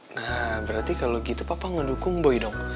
nah berarti kalau gitu papa ngedukung boy dong